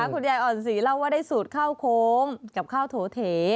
คุณยายอ่อนศรีเล่าว่าได้สูตรข้าวโค้งกับข้าวโถเถ